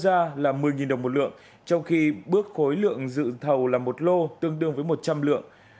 giá dự thầu nhà điều hành đưa ra là một mươi đồng một lượng trong khi bước khối lượng dự thầu là một lô tương đương với một trăm linh lượng